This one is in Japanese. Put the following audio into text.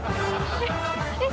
えっ？